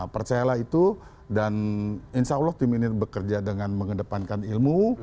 percayalah itu dan insya allah tim ini bekerja dengan mengedepankan ilmu